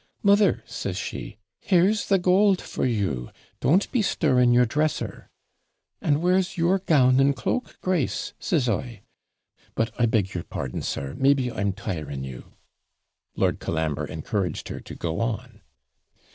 "Mother," says she, "here's the gold for you! don't be stirring your dresser." "And where's your gown and cloak, Grace?" says I. But I beg your pardon, sir; maybe I'm tiring you?' Lord Colambre encouraged her to go on.